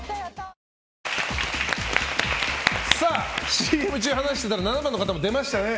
ＣＭ中、話していたら７番の方も出ましたね。